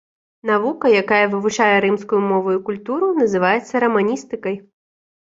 Навука, якая вывучае рымскую мову і культуру, называецца раманістыкай.